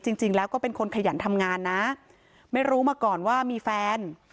จริงแล้วก็เป็นคนขยันทำงานนะไม่รู้มาก่อนว่ามีแฟน